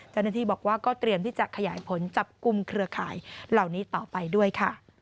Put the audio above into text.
เจ้าหน้าที่บอกว่าก็เตรียมที่จะขยายผลจับกลุ่มเครือข่ายเหล่านี้ต่อไปด้วยค่ะ